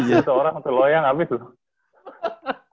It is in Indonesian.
satu orang satu loyang habis tuh